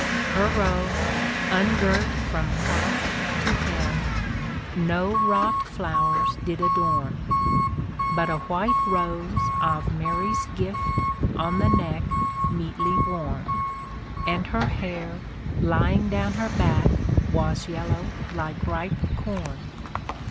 Her robe, ungirt from clasp to hem, No wrought flowers did adorn, But a white rose of Mary's gift On the neck meetly worn ; And her hair, lying down her back Was yellow like ripe corn.